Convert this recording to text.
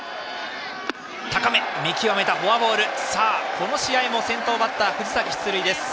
この試合も先頭バッター藤崎が出塁です。